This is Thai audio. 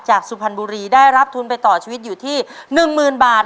สุพรรณบุรีได้รับทุนไปต่อชีวิตอยู่ที่๑๐๐๐บาท